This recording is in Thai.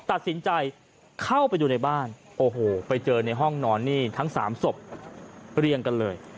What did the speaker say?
ตัดสินใจเข้าไปดูในบ้านโอ้โหไปเจอในห้องนอนนี่ทั้ง๓ศพเรียงกันเลย